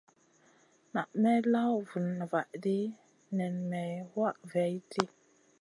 Na may law vuna vahdi nen may wah vaihʼdi.